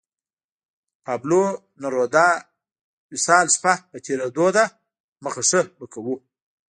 پابلو نوروداد وصال شپه په تېرېدو ده مخه شه به کوو